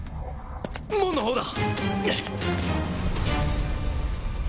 門の方だ！